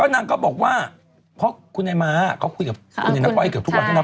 นางก็บอกว่าเพราะคุณแม่ม้าเขาคุยกับออนภาเกือบทุกวัน